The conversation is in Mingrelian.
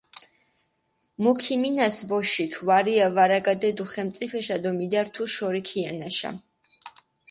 მუ ქიმინას ბოშიქ, ვარია ვარაგადედუ ხენწიფეშა დო მიდართუ შორი ქიანაშა.